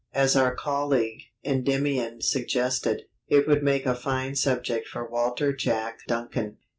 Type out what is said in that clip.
As our colleague Endymion suggested, it would make a fine subject for Walter Jack Duncan.